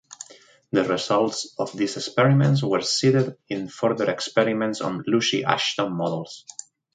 The results of these experiments were cited in further experiments on "Lucy Ashton" models.